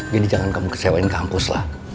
jadi jangan kamu kesewain kampus lah